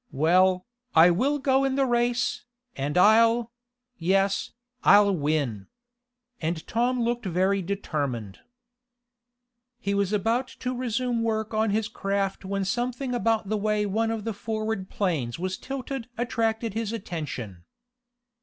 Well, I will go in the race, and I'll yes, I'll win!" And Tom looked very determined. He was about to resume work on his craft when something about the way one of the forward planes was tilted attracted his attention.